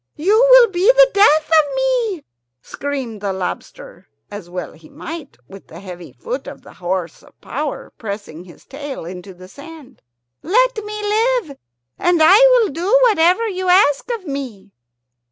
"You will be the death of me!" screamed the lobster as well he might, with the heavy foot of the horse of power pressing his tail into the sand. "Let me live, and I will do whatever you ask of me."